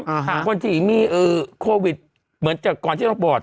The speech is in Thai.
หรือคนที่มีโควิดเหมือนกับก่อนที่ลงปลอด